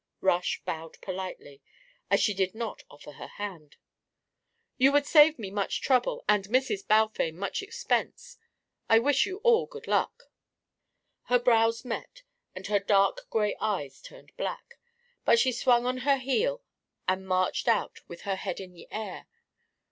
Rush bowed politely, as she did not offer her hand. "You would save me much trouble and Mrs. Balfame much expense. I wish you all good luck." Her brows met and her dark grey eyes turned black, but she swung on her heel and marched out with her head in the air.